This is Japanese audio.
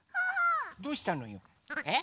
どうしたのよ？え？